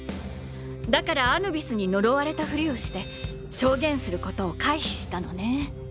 だからアヌビスに呪われたフリをして証言することを回避したのね。